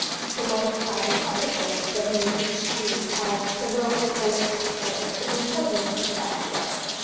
The life by his other friend, W. E. Channing, called "Thoreau: Poet Naturalist," is impor tant but fatuous.